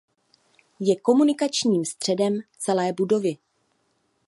Je komunikačním středem celé budovy.